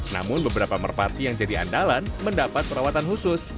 namun beberapa merpati yang jadi andalan mendapat perawatan khusus